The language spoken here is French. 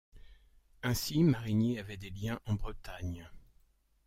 Ainsi Marigné avait des liens en Bretagne.